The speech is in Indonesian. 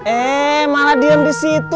eh malah diem di situ